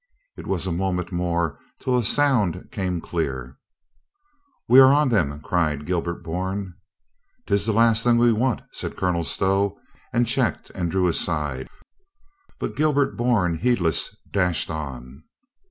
It was a moment more till a sound came clear. "We are on them," cried Gilbert Bourne. A CAVALIER DIES 367 " 'Tis the last thing we want," said Colonel Stow, and checked and drew aside. But Gilbert Bourne, heedless, dashed on.